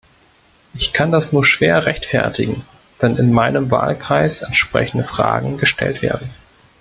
Ich kann das nur schwer rechtfertigen, wenn in meinem Wahlkreis entsprechende Fragen gestellt werden.